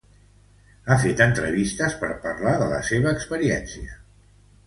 Ha fet entrevistes per parlar de la seua experiència.